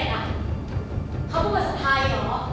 เขาพูดว่าสไทยเหรอ